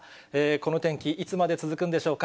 この天気、いつまで続くんでしょうか。